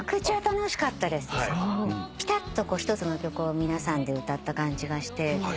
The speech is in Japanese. ピタッと１つの曲を皆さんで歌った感じがして。